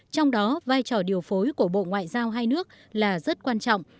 trong đó vai trò điều phối của bộ ngoại giao hai nước là rất quan trọng